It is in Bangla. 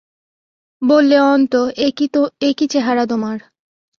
বললে, অন্তু, এ কী চেহারা তোমার?